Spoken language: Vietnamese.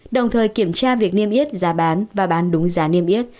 đồng thời kiểm tra việc niêm yết giá bán và bán đúng giá niêm yết